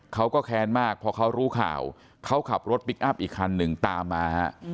เขาก็แค้นมากพอเขารู้ข่าวเขาขับรถพลิกอัพอีกคันหนึ่งตามมาฮะ